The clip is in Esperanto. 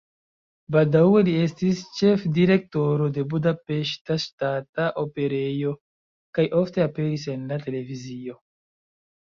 Baldaŭe li estis ĉefdirektoro de Budapeŝta Ŝtata Operejo kaj ofte aperis en la televizio.